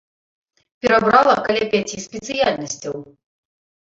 Перабрала каля пяці спецыяльнасцяў.